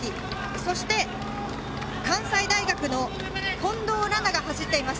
そして関西大学の近藤来那が走っています。